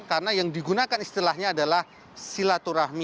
karena yang digunakan istilahnya adalah silaturahmi